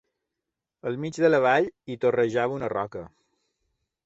Al mig de la vall hi torrejava una roca.